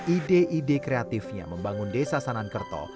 ide ide kreatifnya membangun desa sanankerto